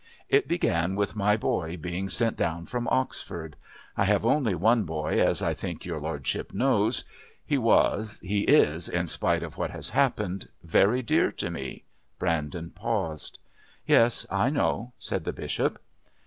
"It began with my boy being sent down from Oxford. I have only one boy, as I think your lordship knows. He was he is, in spite of what has happened very dear to me." Brandon paused. "Yes, I know," said the Bishop.